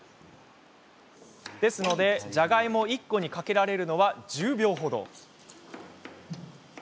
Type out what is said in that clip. じゃがいも１個にかけられるのは１０秒程。